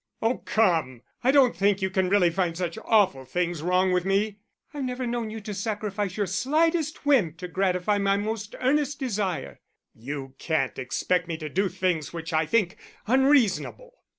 "Oh, come, I don't think you can really find such awful things wrong with me." "I've never known you sacrifice your slightest whim to gratify my most earnest desire." "You can't expect me to do things which I think unreasonable."